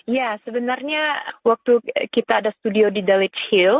ya sebenarnya waktu kita ada studio di dalid hill